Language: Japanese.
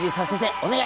お願い！